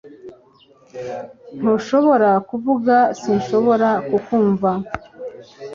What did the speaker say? Ntushobora kuvuga Sinshobora kukumva